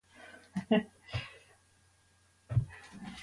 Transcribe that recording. Kādu krēmu izvēlēties jutīgai ādai?